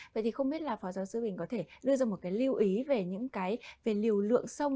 vậy thì không biết là phó giáo sư bình có thể đưa ra một cái lưu ý về những cái về liều lượng sông